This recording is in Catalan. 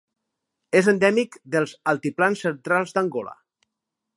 És endèmic dels altiplans centrals d'Angola.